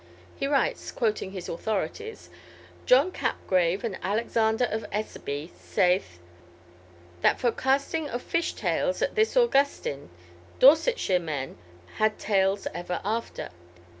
He writes, quoting his authorities, "John Capgrave and Alexander of Esseby sayth, that for castynge of fyshe tayles at thys Augustyne, Dorsettshyre men had tayles ever after.